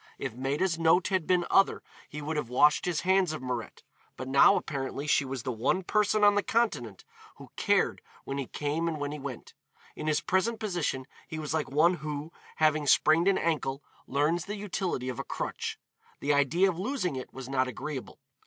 If Maida's note had been other, he would have washed his hands of Mirette, but now apparently she was the one person on the Continent who cared when he came and when he went. In his present position he was like one who, having sprained an ankle, learns the utility of a crutch. The idea of losing it was not agreeable.